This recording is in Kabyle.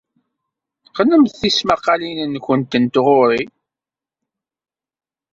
Qqnemt tismaqqalin-nwent n tɣuri.